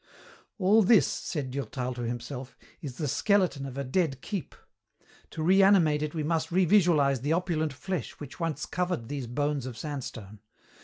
"All this," said Durtal to himself, "is the skeleton of a dead keep. To reanimate it we must revisualize the opulent flesh which once covered these bones of sandstone.